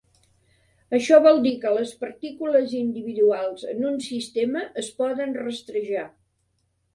Això vol dir que les partícules individuals en un sistema es poden rastrejar.